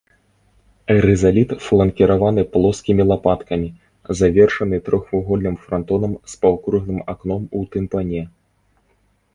Рызаліт фланкіраваны плоскімі лапаткамі, завершаны трохвугольным франтонам з паўкруглым акном у тымпане.